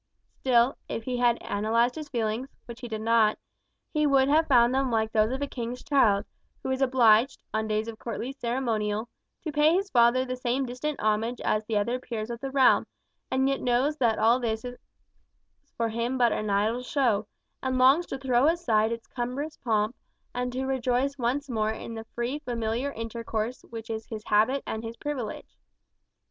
Still, if he had analyzed his feelings (which he did not), he would have found them like those of a king's child, who is obliged, on days of courtly ceremonial, to pay his father the same distant homage as the other peers of the realm, and yet knows that all this for him is but an idle show, and longs to throw aside its cumbrous pomp, and to rejoice once more in the free familiar intercourse which is his habit and his privilege.